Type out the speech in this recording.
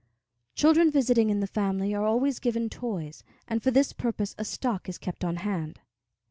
Children visiting in the family are always given toys, and for this purpose a stock is kept on hand.